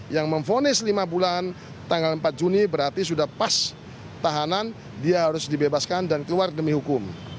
yang memfonis lima bulan tanggal empat juni berarti sudah pas tahanan dia harus dibebaskan dan keluar demi hukum